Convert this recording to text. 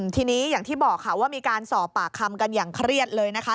ทีนี้อย่างที่บอกค่ะว่ามีการสอบปากคำกันอย่างเครียดเลยนะคะ